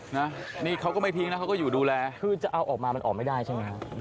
นะนี่เขาก็ไม่ทิ้งนะเขาก็อยู่ดูแลคือจะเอาออกมามันออกไม่ได้ใช่ไหมฮะ